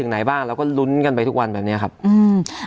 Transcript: โดยเฉพาะถ้ามีการแก้สองห้าหก